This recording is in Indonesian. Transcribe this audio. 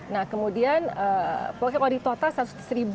nah kemudian pokoknya kalau di total satu tiga ratus delapan puluh tujuh